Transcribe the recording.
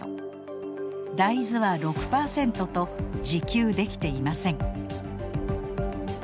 大豆は６％と自給できていません。